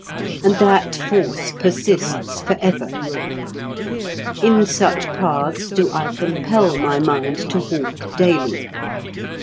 And that Force persists forever. In such paths do I compel my mind to walk daily.